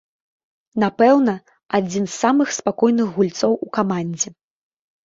Напэўна, адзін з самых спакойных гульцоў у камандзе.